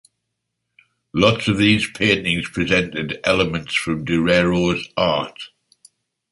Lots of these paintings presented elements from Durero’s art.